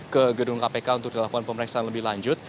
ke gedung kpk untuk dilakukan pemeriksaan lebih lanjut